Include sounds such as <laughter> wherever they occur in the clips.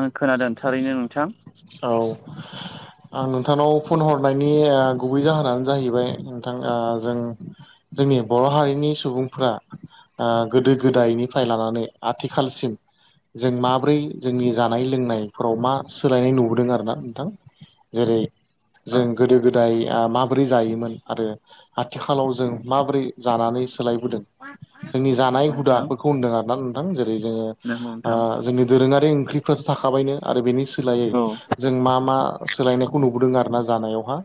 आं खोनादों थारैनो नोंथां <inaudible> आं नोंथांनाव फन हरनायनि गुबै जाहोनानो जाहैबाय नोंथां जों जोंनि बर' हारिनि सुबुंफोरा गोदो गोदायनिफ्राय लानानै आथिखालसिम जों माब्रै जोंनि जानाय लोंनायफोराव मा सोलायनाय नुबोदों आरो ना नोंथां जेरै औ जों गोदो गोदाय माबोरै जायोमोन आरो आथिखालाव जों माबोरै जानानै सोलायबोदों जोंनि जानाय नंगौ नोंथां हुदाफोरखौ होनदों आरोना नोंथां जेरै जोङो नंगौ नोंथां जोंनि दोरोङारि ओंख्रिफ्रोरासो थाखाबायनो आरो बेनि सोलायै औ जों मा मा सोलायनायखौ नुबोदों आरोना जानायावहा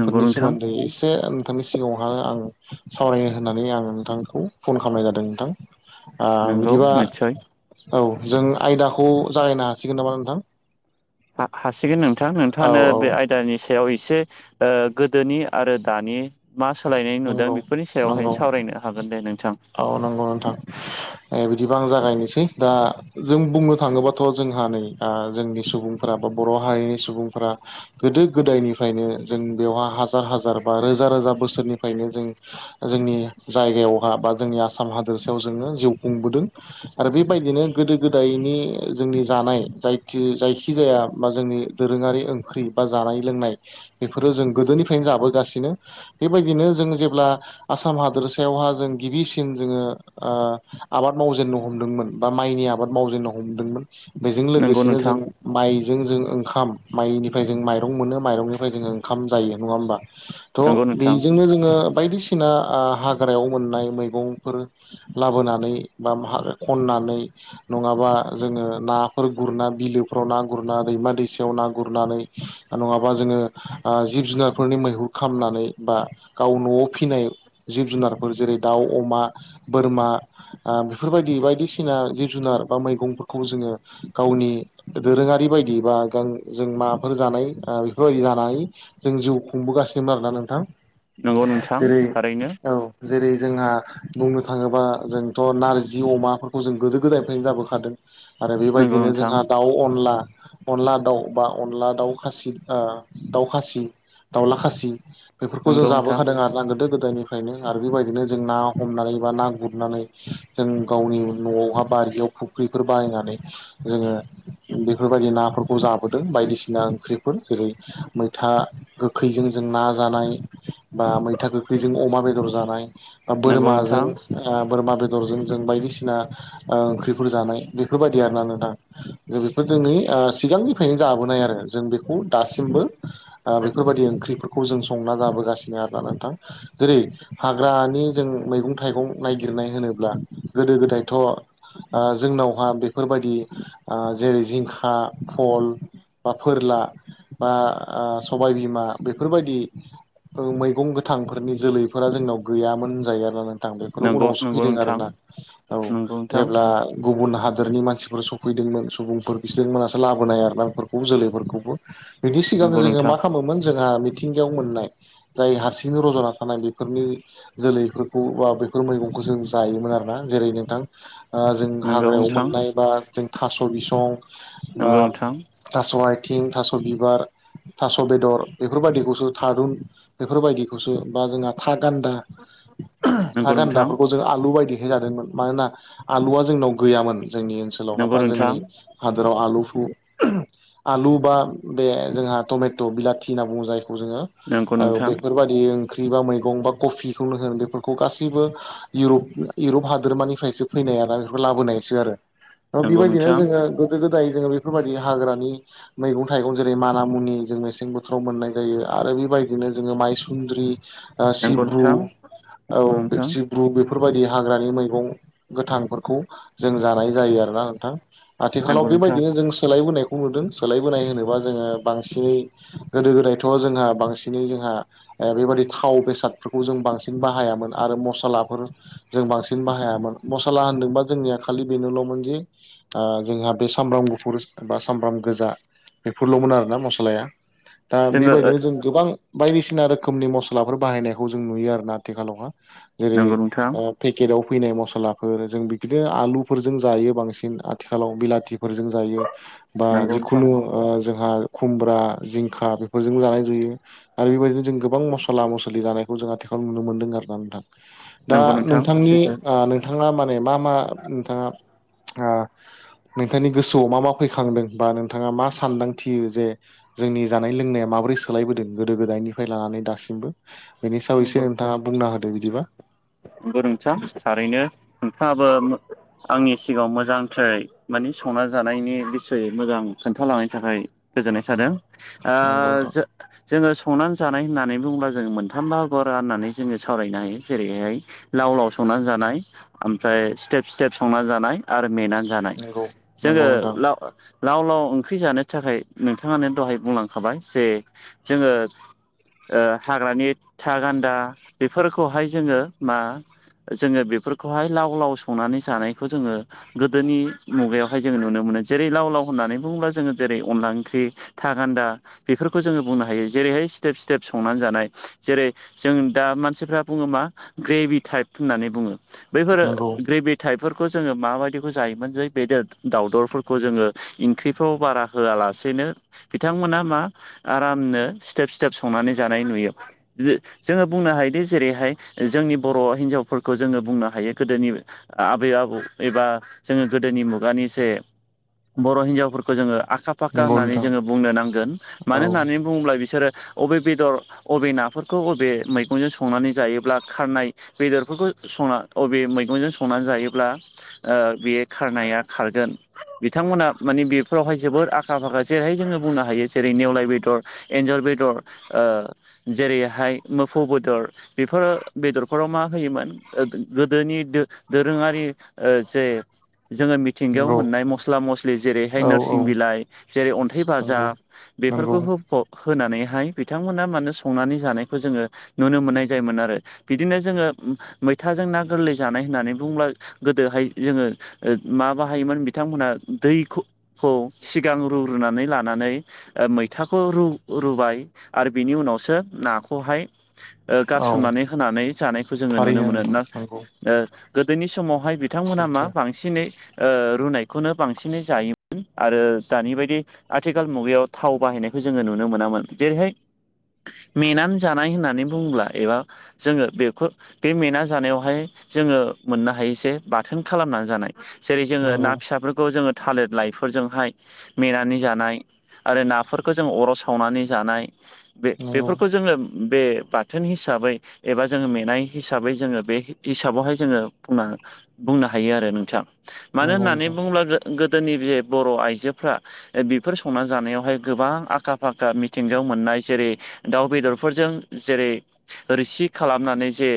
नंगौ नोंथां सोमोन्दै एसे नोंथांनि सिगाङावहाय आं सावरायनो होननानै आं नोंथांखौ फन खालामनाय जादों नोंथां नंगौ बिदिबा निस्सय औ जों आयदाखौ जागायनो हासिगोन नामा नोंथां हासिगोन नोंथां औ नोंथाङानो औ बे आयदानि सायाव एसे गोदोनि आरो दानि मा सोलायनाय नुदों नंगौ बेफोरनि नंगौ सायावहाय सावरायनो हागोन दे नोंथां औ नंगौ नोंथां बिदिबा आं जागायनोसै दा जों बुंनो थाङोबाथ' जोंहा नै जोंनि सुबुं फोर बा बर' हारिनि सुबुंफोरा गोदो गोदायनिफ्रायनो जों बेवहाय हाजार हाजार बा रोजा रोजा बोसोरनिफ्रायनो जों जोंनि जायगायावहा बा जोंनि आसाम हादोरसायाव जोङो जिउ खुंबोदों आरो बेबायदिनो गोदो गोदायनि जोंनि जानाय जायखिजाया बा जोंनि दोरोङारि ओंख्रि बा जानाय लोंनाय बेफोरो जों गोदोनिफ्रायनो जाबोगासिनो बेबायदिनो जों जेब्ला आसाम हादोरसायावहा जों गिबिसिन जोङो आबाद मावजेननो हमदोंमोन बा माइनि आबाद मावजेननो हमदोंमोन बेजों नंगौ लोगोसेनो जों नोंथां माइजों जों ओंखाम माइनिफ्राय जों माइरं मोनो माइरंनिफ्राय जों ओंखाम जायो नङा होमबा थ' नंगौ नोंथां बेजोंनो जोङो बायदिसिना हाग्रायाव मोननाय मैगंफोर लाबोनानै बा खननानै नङाबा जोङो नाफोर गुरना बिलोफोराव ना गुरना दैमा दैसायाव ना गुरनानै नङाबा जोङो जिब जुनारफोरनि मैहुर खालामनानै बा गाव न'आव फिसिनाय जिब जुनारफोर जेरै दाउ अमा बोरमा बेफोरबायदि बायदिसिना जिब जुनार बा मैगंफोरखौ जोङो गावनि दोरोङारि बायदि बा गां जों माफोर जानाय बेफोरबायदि जानानै जों जिउ खुंबोगासिनोमोन आरोना नोंथां नंगौ नोंथां जेरै थारैनो औ जेरै जोंहा बुंनो थाङोबा जोंथ' नारजि अमाफोरखौ जों गोदो गोदायनिफ्रायनो जाबोखादों आरो नंगौ बेबायदिनो नोंथां जोंहा दाउ अनला अनला दाउ बा अनला दाउ खासि दाउ खासि दाउला खासि बेफोरखौ जों नंगौ नोंथां जाबोखादों आरोना गोदो गोदायनि ओमायनो आरो बेबायदिनो जों ना हमनानै बा ना गुरनानै जों गावनि न'आवहा बारियाव फुख्रिफोर बाहायनानै जोङो बेफोरबायदि नाफोरखौ जाबोदों बायदिसिना ओंख्रिफोर जेरै मैथाए गोखैजों जों ना जानाय बा मैथा गोखैजों अमा बेदर जानाय बा नंगौ नोंथां बोरमाजों बोरमा बेदरजों जों बायदिसिना ओंख्रिफोर जानाय बेफोरबायदि आरोना नोंथां जों बेखौ दिोंै सिगांनिफ्रायनो जाबोनाय आरो जों बेखौ दासिमबो बेफोरबायदि ओंख्रिफोरखौ जों संना जाबोगासिनो आरोना नोंथां जेरै हाग्रानि जों मैगं थाइगं नायगिरनाय होनोब्ला गोदो गोदायथ' जोंनावहा बेफोरबायदि जेरै जिंखा बल बा फोरला बा सबायबिमा बे मैगं गोथांफोरनि जोलैफोरा जोंनाव गैयामोन होन जायो आरोोना नोंथां बे फोर नंगौ उनावसो नंगौ फैदों नोंथां आरोना औ नंगौ नोंथां जेब्ला गुबुन हादोरनि मानसिफोर सफैदोंमोन सुबुंफोर बिसोर मोनासो लाबोनाय आर ना बेफोरखौबो जोलैफोरखौबो बिनि सिगां नंगौ जोङो मा नोंथां खालामोमोन जोंहा मिथिंगायाव मोननाय जाय हारसिंनो रज'ना थानाय बेफोरनि जोलैफोरखौ बा बेफोर मैगंखौ जों जायोमोन आरोना जेरै नोंथां जों नंगौ हाग्रायाव नोंथां मोननाय बा जों थास' बिसं बा नंगौ नोंथां थास' आइथिं थास' बिबार थास' बेदर बेफोर‌बायदिखौ जों थारून बेफोर बादिखौसो था गान्दा नंगौ नोंथां जों आलु बायदिहाय जादोंमोन मानोना आलुवआ जोंनाव गैयामोन जोंनि ओनसोलाव नंगौ होनबा नोंथां जोंनि हादोराव आलु फु आलु बा बे जोंहा टमेट' बिलाथि होनना बुङो जाय जोङो नंगौ नोंथां बेफोरबायाददि ओंख्रि बा मैगं बा कफिखौनो होन बेफोरखौ गासैबो इउरप इउरप हादोरमानिफ्रायसो फैनाय ना बेफोरखौ लाबोनायसो आरो नंगौ बेबायदिनो नोंथां जोङो गोदाय जोङो बेफोरबायदि हाग्रानि मैगं थाइगं जेरै माना मुनि जों मेसें बोथोराव मोननाय जायो आरो बेबायदिनो जोङो मायसुन्द्रि नंगौ सिब्रु नोंथां औ नंगौ नोंथां ग्रु बेफोरबायदि हाग्रानि मैगं गोथांफोरखौ जों जानाय जायो आरोना नोंथां आथिखालाव नंगौ नोंथां बेबायदिनो जों सोलायबोनायखौ बेखौ नुदों सोलायबोनाय होनोबा जोङो बांसिनै गोदो गोदायथ' जोंहा बांसिनै जोंहा बेबदि थाव बेसादफोरखौ जों बांसिन बाहायामोन आरो मसलाफोर जों बांसिन बाहायामोन मसला होनदोंबा जोंनिया खालि बेनोल'मोन जे जोंहा बे सामब्राम गुफुर बा सामब्राम गोजा बेफोरल'मोन आरोना मस्लाया दा जोङो बेबायदिनो जों गोबां बायदिसिना रोखोमनि मसलाफोर बाहायनायखौ जों नुयो आरोना आथिखालावहा जेरै नंगौ नोंथां पेकेटाव फैनाय मसलाफोर जों बिदिनो आलुफोरजों जायो बांसिन आथिखालाव बिलाथि फोरजों जायो बा नंगौ नोंथां जिखुनु जोंहा खुमब्रा जिंखा बे हजोंबो जानाय नुयो आरो बेबायदिनो जों गोबां मस्ला मसलि जानायखौ जों आथिखालाव नुनो मोन्दों आरो ना नोंथां दा नंगौ नोंथां नोंथांनि सैथो नोंथाङा माने मा मा नोंथाङा नोंथांनि गोसोआव मा मा फैखांदों बा नोंथाङा मा सानदांथियो जे जोंनि जानाय लोंनायाव माबोरै सोलायबोदों गोदो गोदायनिफ्राय लानानै दासिमबो बेनि सायाव एसे नोंथाङा बुंना होदों बिदिबा गोरोंथा थारैनो नोंथाङाबो आंनि सिगाङाव मोजांद्राय माने संना जानायनि बिसयै मोजां खोन्थालांनायनि थाखाय गोजोननाय थादों नंगौ नोंथां जोङो संनानै जानाय होननानै बुोब्ला जों मोन मोनथाम बाहागोवाव राननानै जोङो सावरायनो हायो जेरैहाय लाव लाव संनानै जानाय ओमफ्राय स्टेप स्टेप संनानै जानाय आरो मेनानै जानाय नंगौ जोङो नंगौ नोंथां लाव लाव ओंख्रि जानो थाखाय नोंथाङानो दहाय बुंलांखाबाय जे जोङो ओ हाग्रानि था गान्दा बेफोरखौहाय जोङो मा जोङो बेफोरखौहाय लाव लाव संनानै जानायखौ जोङो गोदोनि मुगायावहाय जों नुनो मोनो जेरै लाव लाव होननानै बुङोब्ला जोङो जेरै अनला ओंख्रि। था गान्दा बेफोरखौ जोङो बुंनो हायो जेरैहाय स्टेब स्टेप संनानै जानाय। जेरै जों दा मानसिफ्रा बुङो मा ग्रेभि टाइप होननानै बुङो। बैफोर नंगौ ग्रेभट फिथाइफोरखौ जोङो माबायदिखौ जायोमोन जै बेदर दावदरफोरखौ जोङो ओंख्रि फाव बारा होआलासेनो बिथांमोना मा आरामनो स्टेप स्टेप संनानै जानाय नुयो। जोङो बुंनो हायोदि जेरैहाय जोंनि बर' हिनजावफोरखौ जोङो बुंनो हायो गोदोनि आबै आबौ एबा जोङो गोदोनि मुगानि जे बर' हिन्जावफोरखौ जोङो आखा फाक्का नंगौ होननानै नोंथां जोङो बुंनो नांगोन औ मानो होननानै बुङोब्ला बिसोरो अबे बेदर अबे ना। बेफोरखौ बबे मैगंजों संनानै जायोब्ला खारनाय बेदरफोरखौ संना अबे मैगंजों संनानै जायोब्ला ओ बे खारनाया खारगोन बिथांमोना माने बेफोरावहाय जोबोर आखा फाखा जेरैहाय जोङो बुंनो हायो। जेरै नेवलाय बेदर एन्जर बेदर ओ जेरैहाय मोफौ बेदर बेफोर बेदरफोराव मा होयोमोन ओ गोदोनि दोरोङारि जे जोङो मि थिंगायाव नंगौ मोननाय मस्ला मस्लि जेरैहाय औ औ नोरसिं बिलाइ जेरै अन्थाइ नंगौ बाजाब नंगौ बेफोरखौ होफब होनानैहाय बिथांमोना मानो संनानै जानायखौ जोङो नुनो मोननाय जायोमोन आरो बिदिनो जोङो मैथाजों ना गोरलै जानाय होननानै बुंब्ला गोदोहाय जोङो माबाहायोमोन बिथांमोनहा दैखौ खौ सिगां रु रूनानै लानानै मैथाखौ रू रुबाय आरो बिनि उनावसो नाखौहाय ओ औ गारसोमनानै होनानै जानायखौ जोङो नुनो थारैनो नोंथां मोनो। नंगौ ओ गोदोनि समावहाय बिथांमोना मा सैथो बांसिनै ओ रुनायखौनो बांसिनै जायोमोन आरो दानि बायदि आथिखाल मुगायाव थाव बाहायनायखौ जोङो नुनो मोनामोन जेरैहाय मेनानै जानाय होननानै बुंङोब्ला एबा जोङो बेखौ बे मेना जानायावहाय जोङो मोननो हायो जे बाथोन खालामनानै जानाय जेरै जोङो नंगौ ना फिसाफोरखौ जोङो थालिर लाइफोरजोंहाय मेनानै जानाय आरो नाफोरखौ जों अर सावनानै जानाय बे नंगौ बेफोरखौ जोङो बे बाथोन हिसाबै एबा जोङो मेनाय हिसाबै जोङो बे हिसाबावहाय जोङो बुंनो बुंनो हायो आरो नोंथां मानो नंगौ होननानै नोंथां बुङोब्ला गो-गोदोनि बे बर' आइजोफ्रा ओ बेफोर संना जानायावहाय गोबां आखा फाखा मिथिंगायाव मोननाय जेरै दाउ बेदरफोरजों जेरै रोसि खालामनानै जे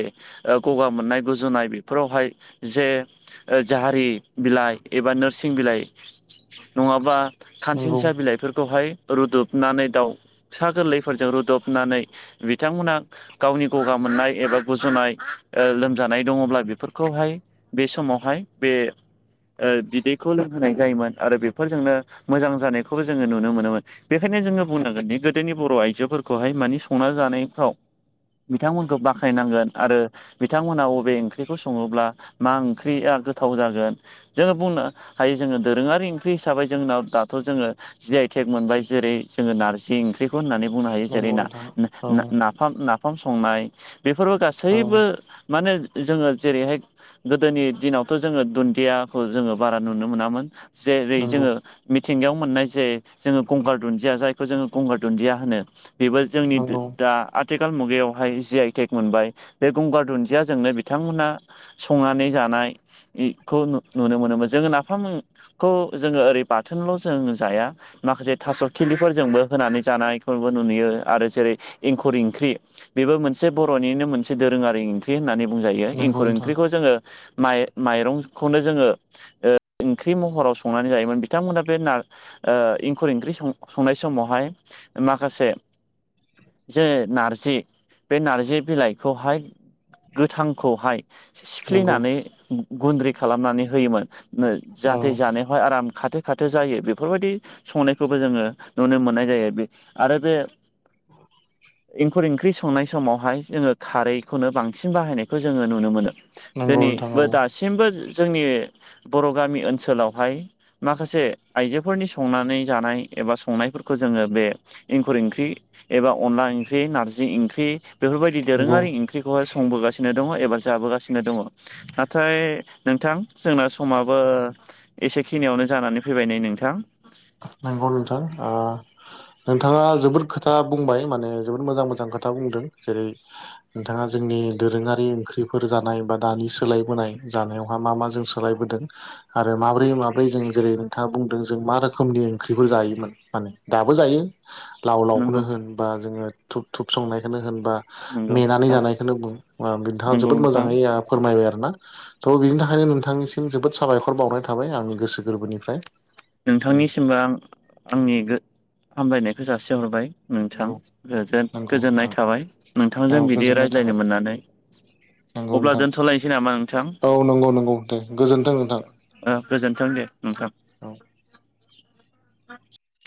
ओ गगा मोननाय गुजुनाय बेफोरावहाय जे ओ जाहारि बिलाइ एबा नोरसिं बिलाइ नङाबा नंगौ खानसिनसा बिलाइफोरखौहाय रुदबनानै दाउ फिसा गोरलैफोरजों रुदबनानै बिथांमोनहा गावनि गगा मोननाय एबा गुजुनाय ओ लोमजानाय दङब्ला बेफोरखौहाय बे समावहाय बे ओ बिदैखौ लोंहोनाय जायोमोन आरो बेफोरजोंनो मोजां जानायखौबो जोङो नुनो मोनोमोन। बेखायनो जोङो बुंनांगोन दि गोदोनि बर' आइजोफोरखौहाय मानि संना जानायफ्राव बिथांमोनखौ बाख्नायनांगोन आरो बिथांमोनहा अबे ओंख्रिखौ सङोब्ला मा ओंख्रिया गोथाव जागोन। जोङो बुंनो हायो जोङो दोरोङारि ओंख्रि हिसाबै जोंनाव दाथ' जोङो जि आइ थेग मोनबाय जेरै जोङो नारजि ओंख्रिखौ होननानै बुंनो हायो जेरै नंगौ ना नोंथां औ ना नाफाम नाफाम संनाय बेफोरबो औ गासैबो माने जोङो जेरैहाय गोदोनि दिनावथ' जोङो दुन्दियाखौ जोङो बारा नुनो मोनामोन जेरै नंगौ जोङो मिथिंगायाव मोननाय जे जोङो गंगार दुन्दिया जायखौ जोङो गंगार दुन्दिया होनो बेबो जोंनि नंगौ दा आथिखाल मुगायावहाय जि आइटेक मोनबाय बे गंगार दुन्दियाजोंनो बिथांमोनहा संनानै जानाय बेखौ नुनो मोनोमोन जोङो नाफाम खौ जोङो ओरै बाथोनल' जों जाया माखासे थास' खिलिफोरजोंबो होनानै जानाय फोरबो न नुयो आरो जेरै एंखुर ओंख्रि बेबो मोनसे बर'निनो मोनसे दोरोङारि ओंख्रि ओंख्रि होननानै बुंजायो नंगौ एंखुर नोंथां ओंख्रिखौ जोङो माइ माइरंखौनो जोङो ओ ओंख्रि महराव संनानै जायोमोन बिथांमोना बे नार इंखुर ओंख्रिं संनाय समावहाय माखासे जोङो नारजि बे नार्जि बिलाइखौहाय गोथांखौहाय नंगौ सिफ्लिनानै गुन्द्रि खालामनानै होयोमोन औ जाहाथे जानायावहाय आराम खाथो खाथो जायो बेफोरबायदि संनायखौबो जोङो नुनो मोननाय जायो आरो बे इंखुर ओंख्रि संनाय समावहाय जोङो खारैखौनो बांसिन बाहायनायखौ जोङो नुनो मोनो नंगौ नोंथां औ दिनैबो दासिमबो जोंनि बर' गामि ओनसोलावहाय माखासे आइजोफोरनि संनानै जानाय एबा संनायफोरखौ जोङो बे एंखुर ओंख्रि एबा अनला ओंख्रि नारजि ओंख्रि बेफोरबायदि नंगौ दोरोङारि ओंख्रिखौ बेखौहाय संबोगासिनो दङ एबा जाबोगासिनो दङ नाथाय नोंथां जोंना समाबो एसेखिनियावनो जानानै फैबाय नै नोंथां नोंगौ नोंथां ओ नोंथाङा जोबोद खोथा बुंबाय माने जबोर मोजां मोजां खोथा बुंदों जेरै नोंथाङा जोंनि दोरोङारि ओंख्रिफोर जानाय बा दानि सोलायबोनाय जानायावहा मा मा जों सोलायबोदों आरो माब्रै माब्रै जों जेरै नोंथाङा बुंदों जों मा रोखोम रोखोमनि ओंख्रिफोर जायोमोन माने दाबो जायो लाव नंगौ लावखौनो होन बा जोङो धुुब धुुब संनायखौनो होनबा नंगौ मेनानै नोंथां जानायखौनो बुं नोंथाङा नंगौ जोबोद नोंथां मोजाङै फोरमायबाय आरोना थ' बिनि थाखायनो नोंथांनिसिम जोबोद साबायखर बावनाय थाबाय आंनि गोसो गोरबोनिफ्राय नोंथांनिसिमबो आं आंनि हामलायनायखौ जासिहरबाय नोंथां नंगौ जो नंगौ गोजोननाय नोंथां थाबाय औ नोंथांजों बिदि गोजोननाय थाबाय रायज्लायनो मोननानै नंगौ अब्ला नोंथां दोनथ'लायनोसै नामा नोंथां औ नंगौ नंगौ <unintelligible> गोजोनथों नोंथां ओ गोजोन्थों दे नोंथां औ